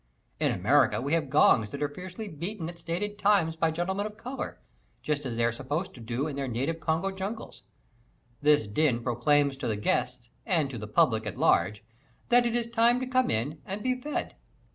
In America we have gongs that are fiercely beaten at stated times by gentlemen of color, just as they are supposed to do in their native Congo jungles. This din proclaims to the "guests" and to the public at large that it is time to come in and be fed.